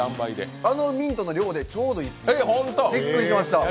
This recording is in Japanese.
あのミントの量でちょうどいいですね、びっくりしました。